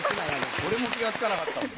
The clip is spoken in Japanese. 俺も気が付かなかったもん。